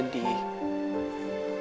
cerita aja ke papa